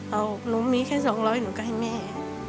เอาหนูมีแค่๒๐๐หนูก็ให้แม่